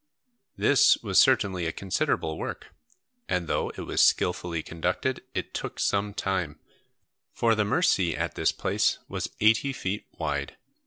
This was certainly a considerable work, and though it was skilfully conducted, it took some time, for the Mercy at this place was eighty feet wide.